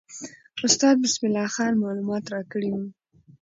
استاد بسم الله خان معلومات راکړي وو.